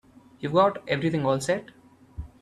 You've got everything all set?